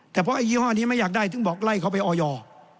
แต่เพราะไอ้ยี่ห้อนี้ไม่อยากได้ถึงบอกไล่เขาไปออย